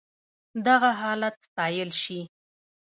دغه حالت ستايل شي.